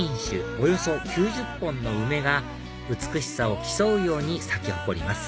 およそ９０本の梅が美しさを競うように咲き誇ります